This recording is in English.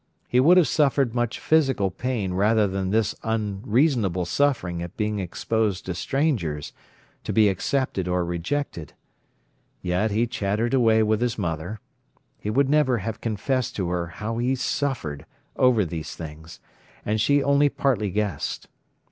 He would have suffered much physical pain rather than this unreasonable suffering at being exposed to strangers, to be accepted or rejected. Yet he chattered away with his mother. He would never have confessed to her how he suffered over these things, and she only partly guessed.